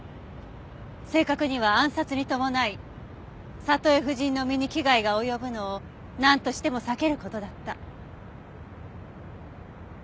正確には暗殺に伴いサトエ夫人の身に危害が及ぶのをなんとしても避ける事だった。